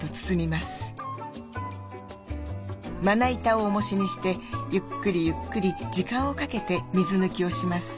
まな板をおもしにしてゆっくりゆっくり時間をかけて水抜きをします。